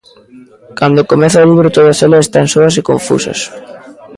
Cando comeza o libro todas elas están soas e confusas.